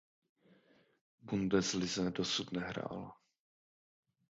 Bundeslize doposud nehrál.